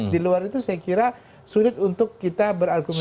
di luar itu saya kira sulit untuk kita berargumentasi